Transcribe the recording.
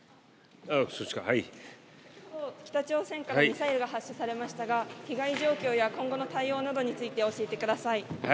北朝鮮からミサイルが発射されましたが被害状況や今後の対応などについて教えてください。